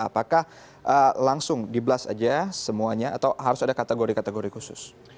apakah langsung di blast aja semuanya atau harus ada kategori kategori khusus